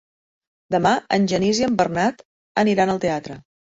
Demà en Genís i en Bernat aniran al teatre.